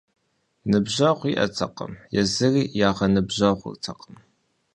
Ныбжьэгъу иӀэтэкъым, езыри ягъэныбжьэгъуртэкъым.